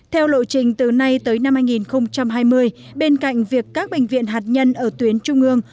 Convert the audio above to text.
theo lộ trình từ nay tới năm hai nghìn hai mươi bên cạnh việc các bệnh viện hạt nhân ở tuyến trung ương